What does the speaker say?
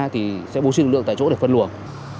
thì sẽ bố truyền lượng tại chỗ để phân luồng